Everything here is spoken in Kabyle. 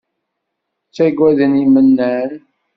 Ttagaden imennan.